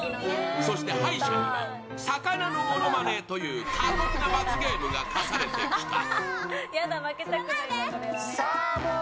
そして敗者には、魚のものまねという過酷な罰ゲームが科されてきた。